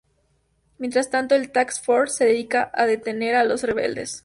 Mientras tanto, el "Task Force" se dedica a detener a los rebeldes.